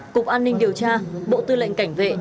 cục an ninh điều tra bộ tư lệnh cảnh vệ